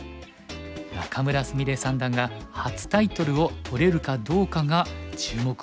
仲邑菫三段が初タイトルを取れるかどうかが注目を集めましたよね。